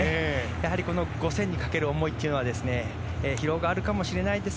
やはり、この５０００にかける思いは疲労があるかもしれないです